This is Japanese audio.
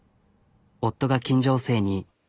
夫が金城姓に。